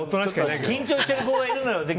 緊張してる子がいるのよ